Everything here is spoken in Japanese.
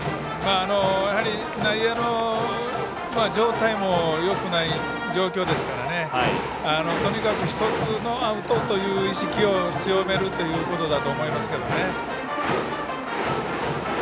内野の状態もよくない状況ですからとにかく１つのアウトという意識を強めるということだと思います。